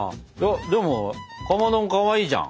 でもかまどもかわいいじゃん。